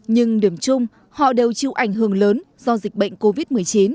nhưng điểm chung họ đều chịu ảnh hưởng lớn do dịch bệnh covid một mươi chín